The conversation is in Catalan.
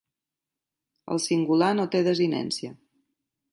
El singular no té desinència.